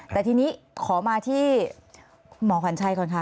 แต่ทีนี้ขอมาที่หมอขวัญชัยก่อนค่ะ